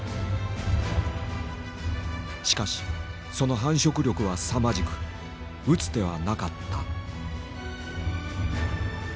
しかしその繁殖力はすさまじく打つ手はなかった。